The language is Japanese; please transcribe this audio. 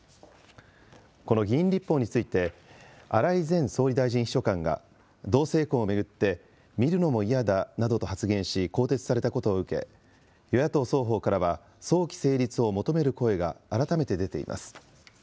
この議員立法について、荒井前総理大臣秘書官が、同性婚を巡って、見るのも嫌だなどと発言し、更迭されたことを受け、与野党双方からは早期成立を求める声が改めて出ています。